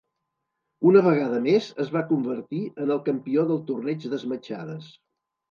Una vegada més es va convertir en el campió del torneig d'esmaixades.